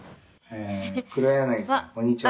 「黒柳さんこんにちは」